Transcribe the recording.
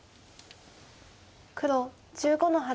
黒１５の八。